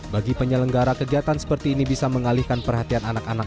bagi penyelenggara kegiatan seperti ini bisa mengalihkan perhatian anak anak